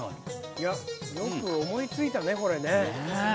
いやよく思いついたねこれね。